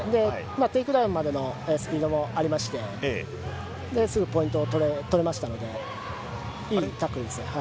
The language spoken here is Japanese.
テイクダウンまでのスピードもありましてすぐポイントを取りましたのでいいタックルです。